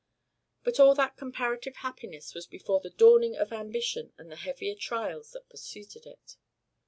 But all that comparative happiness was before the dawning of ambition and the heavier trials that preceded it.